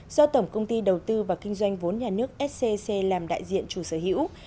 do tổng công ty đầu tư và kinh doanh vốn nhà nước scc làm đại diện chủ sở hữu